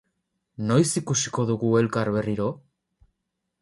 Noiz ikusiko dugu elkar berriro?